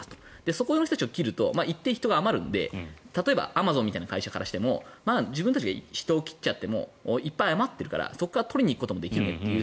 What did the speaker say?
そこの人たちを切ると一定、人が余るので例えばアマゾンみたいな会社からしても自分たちが人を切っちゃってもいっぱい余ってるからそこから取りに行くことができるという